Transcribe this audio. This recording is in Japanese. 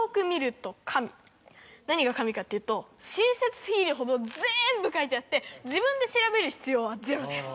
何が神かっていうと親切過ぎるほどぜんぶ書いてあって自分で調べる必要はゼロです。